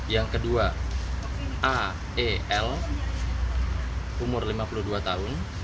yang kedua ael umur lima puluh dua tahun